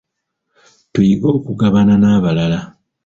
Tuyige okugabana n'abalala.